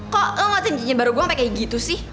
kok lo ngeluatin cincin baru gue sampe kayak gitu sih